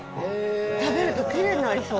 食べるときれいになりそう。